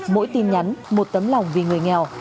mỗi tin nhắn một tấm lòng vì người nghèo